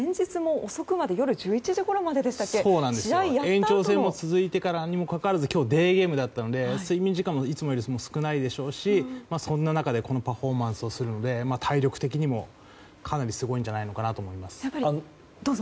前日も夜１１時ごろまで延長戦が続いたあと今日、デーゲームだったので睡眠時間もいつもより少ないでしょうしそんな中でこのパフォーマンスをするので体力的にもかなりすごいんじゃないかと思います。